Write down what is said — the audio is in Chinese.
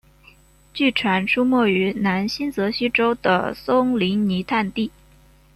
据传出没于南新泽西州的松林泥炭地。